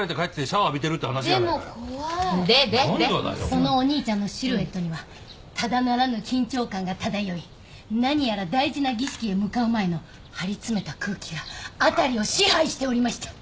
そのお兄ちゃんのシルエットにはただならぬ緊張感が漂い何やら大事な儀式へ向かう前の張り詰めた空気が辺りを支配しておりました。